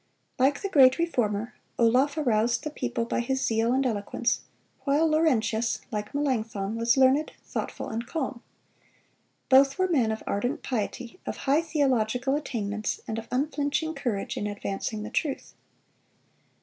Like the great Reformer, Olaf aroused the people by his zeal and eloquence, while Laurentius, like Melanchthon, was learned, thoughtful, and calm. Both were men of ardent piety, of high theological attainments, and of unflinching courage in advancing the truth.